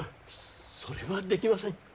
それはできません。